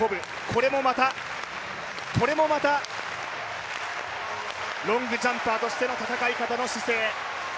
これもまた、これもまたロングジャンパーとしての戦い方の姿勢。